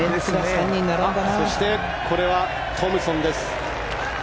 そしてこれはトムソンです。